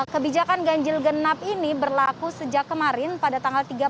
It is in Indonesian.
kebijakan ganjil genap ini berkaitan dengan kebijakan ganjil genap